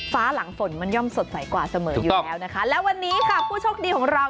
หลังฝนมันย่อมสดใสกว่าเสมออยู่แล้วนะคะและวันนี้ค่ะผู้โชคดีของเรา